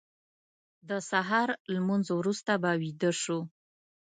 د سهار لمونځ وروسته به ویده شو.